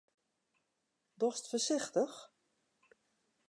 Dochst foarsichtich?